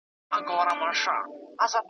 د دې غم لړلي صحنې ننداره کوله .